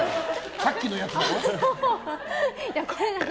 さっきのやつだ。